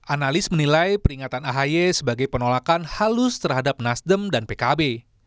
analis menilai peringatan ahy sebagai penolakan halus terhadap nasdem dan pkb